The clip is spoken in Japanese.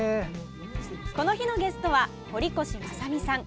この日のゲストは堀越正己さん。